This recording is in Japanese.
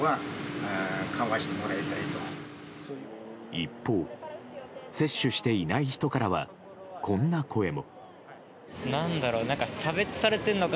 一方、接種していない人からはこんな声も。